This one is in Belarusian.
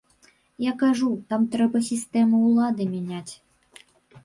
Я кажу, там трэба сістэму ўлады мяняць.